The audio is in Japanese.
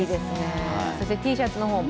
そしてＴシャツの方も。